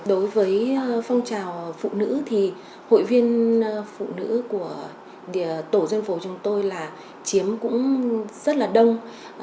đối với phong trào phụ nữ thì hội viên phụ nữ của tổ dân phố chúng tôi là chiếm cũng rất là đông